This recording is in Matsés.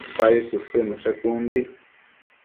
Padi tësëdnushe con di